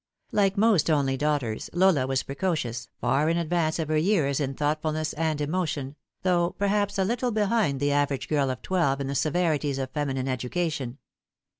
Like most only daughters, Lola was precocious, far in advance of her years in thoughtfulness and emotion, though perhaps a little behind the average girl of twelve in the severities of feminine education.